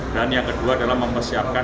dan yang kedua adalah mempersiapkan